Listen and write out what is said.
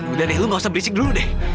udah deh lu gak usah berisik dulu deh